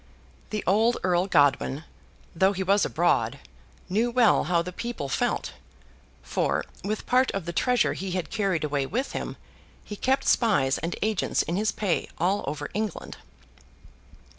The old Earl Godwin, though he was abroad, knew well how the people felt; for, with part of the treasure he had carried away with him, he kept spies and agents in his pay all over England.